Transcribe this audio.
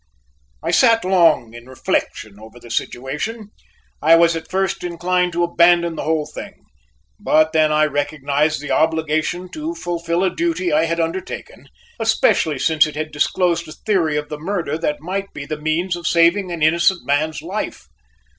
I sat long in reflection over the situation. I was at first inclined to abandon the whole thing, but then I recognized the obligation to fulfil a duty I had undertaken, especially since it had disclosed a theory of the murder that might be the means of saving an innocent man's life.